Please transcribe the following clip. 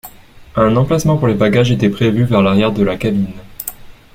Un emplacement pour les bagages était prévu vers l'arrière de la cabine.